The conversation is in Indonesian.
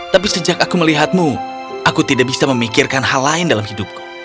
tapi sejak aku melihatmu aku tidak bisa memikirkan hal lain dalam hidupku